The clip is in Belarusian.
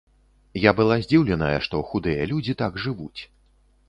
Я была здзіўленая, што худыя людзі так жывуць.